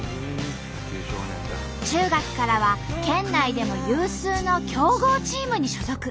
中学からは県内でも有数の強豪チームに所属。